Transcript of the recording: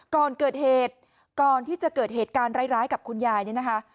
ก่อนเกิดเหตุก่อนที่จะเกิดเหตุการณ์ร้ายกับคุณยายเนี่ยนะคะ